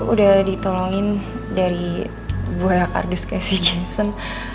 udah ditolongin dari buaya kardus ke si jason